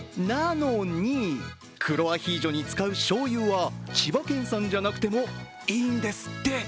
なのに、黒アヒージョに使うしょうゆは千葉県産じゃなくてもいいんですって。